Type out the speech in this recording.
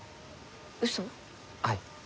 はい。